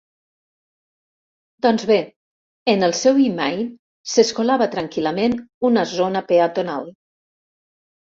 Doncs bé, en el seu e-mail s'escolava tranquil·lament una "zona peatonal".